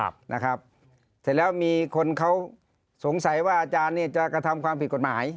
เสร็จแล้วมีคนเขาสงสัยว่าอาจารย์จะกระทำความผิดกฎหมาย